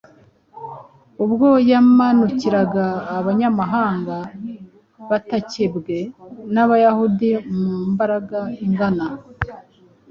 ubwo yamanukiraga Abanyamahanga batakebwe n’Abayahudi mu mbaraga ingana.